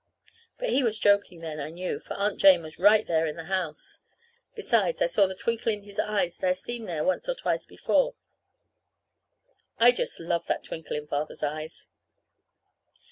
But he was joking then, I knew, for Aunt Jane was right there in the house. Besides, I saw the twinkle in his eyes that I've seen there once or twice before. I just love that twinkle in Father's eyes!